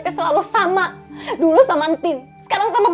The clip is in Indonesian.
tidak pernah cam bulan dari saya